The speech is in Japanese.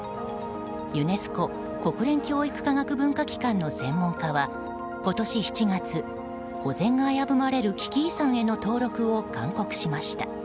ユネスコ・国連教育科学文化機関の専門家は今年７月、保全が危ぶまれる危機遺産への登録を勧告しました。